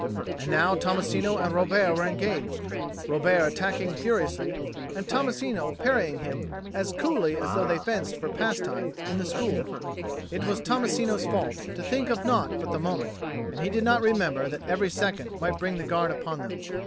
And now Tommasino and Robert were engaged, Robert attacking furiously and Tommasino parrying him as coolly as though they fenced for pastime in the school. It was Tommasino's fault to think of naught but the moment and he did not remember that every second might bring the guard upon them.